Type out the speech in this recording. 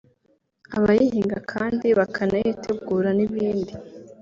abayihinga kandi bakanayitegura n’ibindi